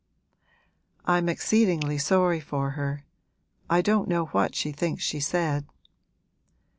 'I'm exceedingly sorry for her. I don't know what she thinks she said.'